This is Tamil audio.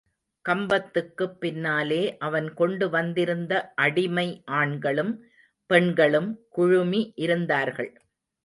கம்பத்துக்குப் பின்னாலே அவன் கொண்டு வந்திருந்த அடிமை ஆண்களும் பெண்களும் குழுமி இருந்தார்கள்.